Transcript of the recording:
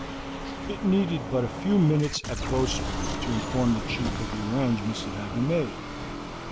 It needed but a few minutes at Bow Street to inform the chief of the arrangements that had been made.